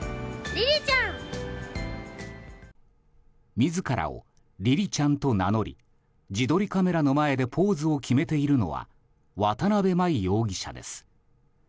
自らをりりちゃんと名乗り自撮りカメラの前でポーズを決めているのは渡邊真衣容疑者です。